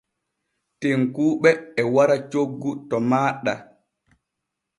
Tekkuuɓe e wara coggu to maaɗa.